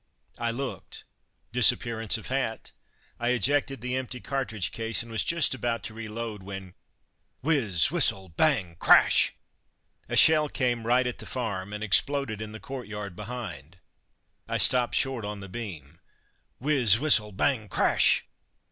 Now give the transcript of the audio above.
I looked: disappearance of hat! I ejected the empty cartridge case, and was just about to reload when, whizz, whistle, bang, crash! a shell came right at the farm, and exploded in the courtyard behind. I stopped short on the beam. Whizz, whistle, bang, crash!